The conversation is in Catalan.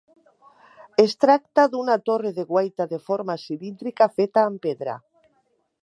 Es tracta d'una torre de guaita de forma cilíndrica feta amb pedra.